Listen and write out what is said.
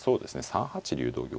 ３八竜同玉